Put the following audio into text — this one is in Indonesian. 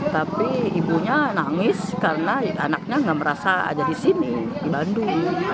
tapi ibunya nangis karena anaknya nggak merasa ada di sini di bandung